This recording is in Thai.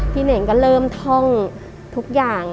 เน่งก็เริ่มท่องทุกอย่าง